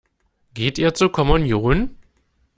Geht ihr zur Kommunion?